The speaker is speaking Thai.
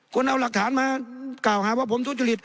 คุณเอาหลักฐานมากล่าวหาว่าผมทุจริต